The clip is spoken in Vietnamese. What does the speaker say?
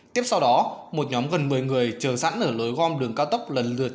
tiếp sau đó một nhóm gần một mươi người chờ sẵn ở lối gom đường cao tốc lần lượt